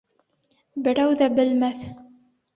Берәү ҙә белмәҫ.